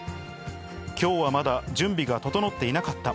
きょうはまだ、準備が整っていなかった。